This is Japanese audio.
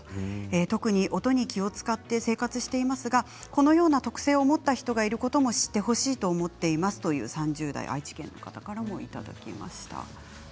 特に音に気を遣って生活していますが、このような特性を持った人がいることも知ってほしいと思っていますという３０代愛知県の方からもいただきました。